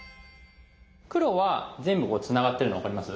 黒は全部これつながってるの分かります？